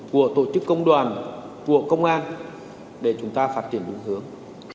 của tổ chức công đoàn của công an để chúng ta phát triển đúng hướng